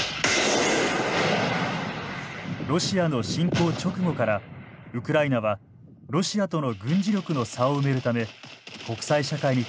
ロシアの侵攻直後からウクライナはロシアとの軍事力の差を埋めるため国際社会に対し協力を要請していました。